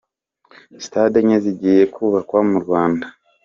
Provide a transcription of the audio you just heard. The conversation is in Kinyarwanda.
Sitade Enye zigiye kubakwa mu Rwanda